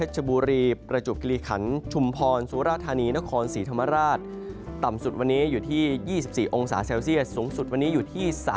สูงสุดวันนี้อยู่ที่๓๖องศาเซลเซียต